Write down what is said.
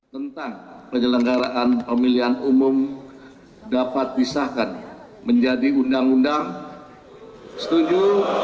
tentang penyelenggaraan pemilihan umum dapat disahkan menjadi undang undang setuju